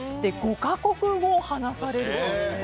５か国語を話されると。